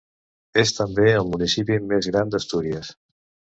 És també el municipi més gran d'Astúries.